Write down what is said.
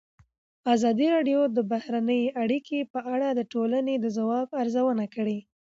ازادي راډیو د بهرنۍ اړیکې په اړه د ټولنې د ځواب ارزونه کړې.